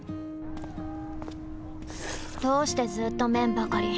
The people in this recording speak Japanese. どうしてずーっと麺ばかり！